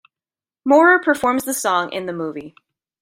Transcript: Moorer performs the song in the movie.